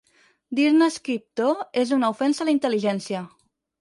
Dir-ne escriptor és una ofensa a la intel·ligència!